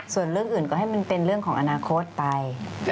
ส่วนเรื่องอื่นก็ให้มันเป็นเรื่องของอนาคตไป